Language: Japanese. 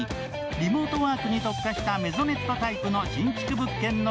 リモートワークに特化したメゾネットタイプの新築物件。